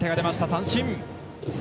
三振。